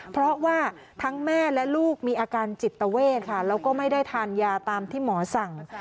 เพราะว่าทั้งแม่และลูกมีอาการจิตเวทค่ะแล้วก็ไม่ได้ทานยาตามที่หมอสั่ง